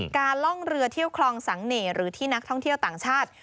ล่องเรือเที่ยวคลองสังเน่หรือที่นักท่องเที่ยวต่างชาติ